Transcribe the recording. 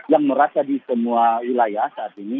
yang merata di semua wilayah saat ini